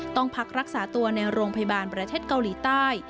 ต้องพักรักษาตัวในโรงพยาบาลประเทศเกาหลีใต้